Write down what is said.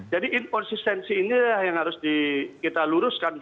jadi inconsistency ini yang harus kita luruskan